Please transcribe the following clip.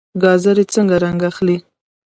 ګازرې څنګه رنګ اخلي؟